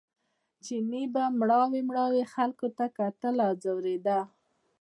چیني به مړاوي مړاوي خلکو ته کتل او ځورېده.